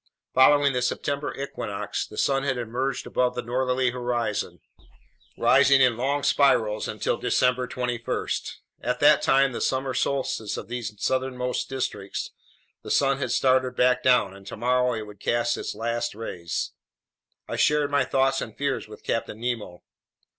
Following the September equinox, the sun had emerged above the northerly horizon, rising in long spirals until December 21. At that time, the summer solstice of these southernmost districts, the sun had started back down, and tomorrow it would cast its last rays. I shared my thoughts and fears with Captain Nemo.